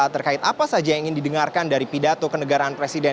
terkait apa saja yang ingin didengarkan dari pidato kenegaraan presiden